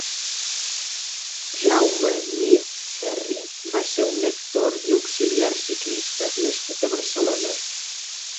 Jaume Mir Ferri va ser un actor i auxiliar ciclista nascut a Barcelona.